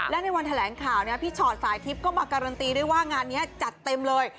และในวันแถลงข่าวพี่ชอตสายทิพย์ก็มาการันตีด้วยว่างานนี้จัดเต็มเลย